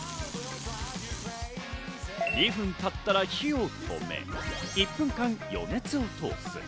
２分経ったら火を止め、１分間、余熱を通す。